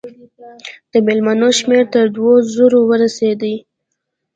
د مېلمنو شمېر تر دوو زرو ورسېدی.